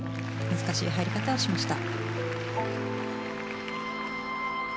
難しい入り方をしました。